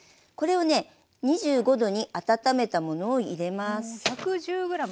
これをね２５℃に温めたものを入れます。